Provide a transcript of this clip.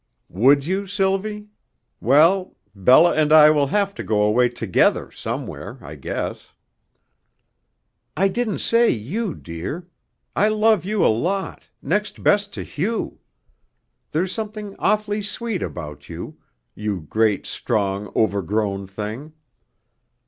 "Would you, Sylvie? Well, Bella and I will have to go away together somewhere, I guess." "I didn't say you, dear. I love you a lot next best to Hugh. There's something awfully sweet about you you great strong overgrown thing!